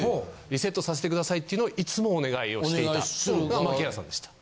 リセットさせてくださいっていうのをいつもお願いをしていたのが牧原さんでした。